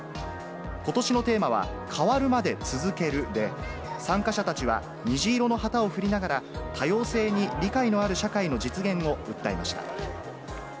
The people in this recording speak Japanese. ことしのテーマは、変わるまで、続けるで、参加者たちは虹色の旗を振りながら、多様性に理解のある社会の実現を訴えました。